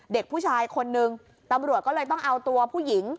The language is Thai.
เด็กผู้ชายคนนึงตำรวจก็เลยต้องเอาตัวผู้หญิง